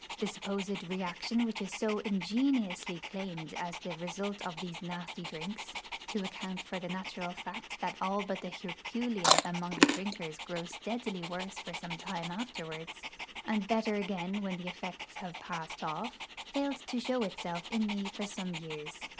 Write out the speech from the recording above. The supposed reaction which is so ingeniously claimed as the result of these nasty drinks to account for the natural fact that all but the herculean among the drinkers grow steadily worse for some time afterwards, and better again when the effects have passed off failed to show itself in me for some years.